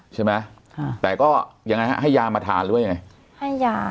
ใช่ไหมแต่ก็ยังไงครับให้ยามาทานหรือเป็นไง